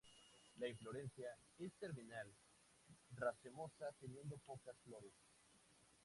La inflorescencia es terminal, racemosa, teniendo pocas flores.